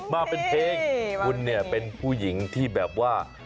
มาเป็นเพลงคุณเนี่ยเป็นผู้หญิงที่แบบว่า